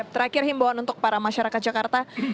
terakhir himbawan untuk para masyarakat jakarta